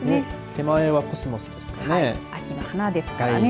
手前はコスモスですかね。